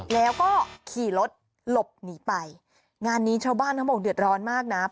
แล้วก็ขี่รถหลบหนีไปงานนี้ชาวบ้านเขาบอกเดือดร้อนมากนะ